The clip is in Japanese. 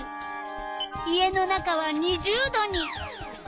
家の中は２０℃に。